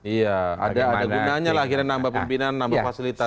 iya ada gunanya lah akhirnya nambah pimpinan nambah fasilitas